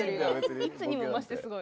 いつにも増してすごい。